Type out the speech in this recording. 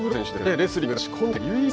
レスリングです。